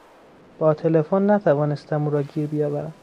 با تلفن نتوانستم او را گیر بیاورم.